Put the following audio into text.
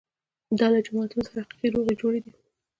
دا له جماعتونو سره حقیقي روغې جوړې ده.